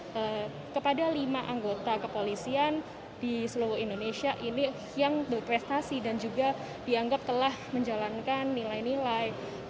jadi kepada lima anggota kepolisian di seluruh indonesia ini yang berprestasi dan juga dianggap telah menjalankan nilai nilai